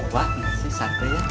wah nasi sate ya